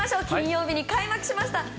金曜日に開幕しました。